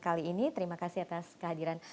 kali ini terima kasih atas kehadiran